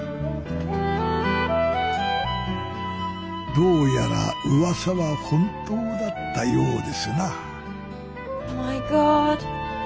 どうやらうわさは本当だったようですなマイゴッド。